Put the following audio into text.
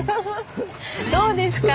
どうですか？